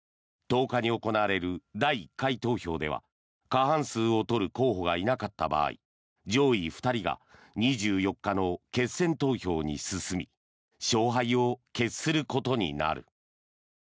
１０日に行われる第１回投票では過半数を取る候補がいなかった場合上位２人が２４日の決選投票に進み勝敗を決することになる。